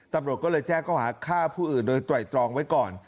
ตำรวจก็เลยแจ้งเขาหาฆ่าผู้อื่นโดยไตรตรองไว้ก่อน